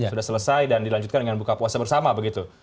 sudah selesai dan dilanjutkan dengan buka puasa bersama begitu